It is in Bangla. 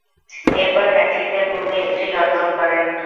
এরপর হ্যাট্রিকের পূর্বে একটি ডট বল করেন।